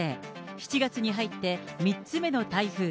７月に入って３つ目の台風。